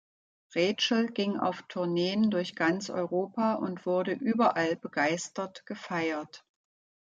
Rachel ging auf Tourneen durch ganz Europa und wurde überall begeistert gefeiert.